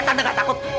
tante gak takut